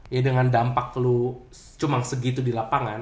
ya dengan dampak flu cuma segitu di lapangan